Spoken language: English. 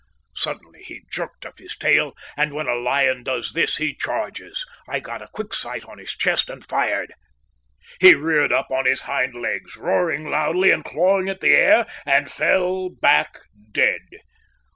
Suddenly he jerked up his tail, and when a lion does this he charges. I got a quick sight on his chest and fired. He reared up on his hind legs, roaring loudly and clawing at the air, and fell back dead.